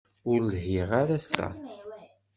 Ur lhiɣ ara ass-a.